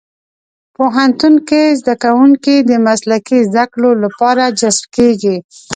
پوهنتون کې زدهکوونکي د مسلکي زدهکړو لپاره جذب کېږي.